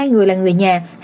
một mươi hai người là người nhà